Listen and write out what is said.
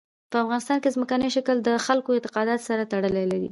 په افغانستان کې ځمکنی شکل د خلکو اعتقاداتو سره تړاو لري.